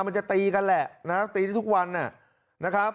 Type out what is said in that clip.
มันจะตีกันแหละตีทุกวัน